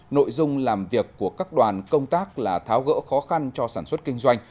nội dung làm việc của các đoàn công tác là tháo gỡ khó khăn cho sản xuất kinh doanh